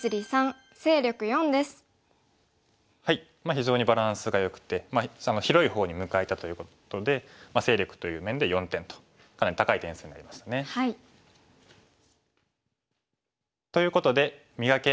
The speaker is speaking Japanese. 非常にバランスがよくて広い方に向かえたということで勢力という面で４点とかなり高い点数になりましたね。ということで「磨け！